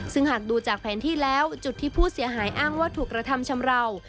ซึ่งหากดูจากแผนที่แล้วจุดที่ผู้เสียหายอ้างว่าถูกกระทำชำราว